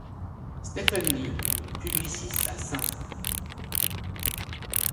Stephen Lee, publiciste à St.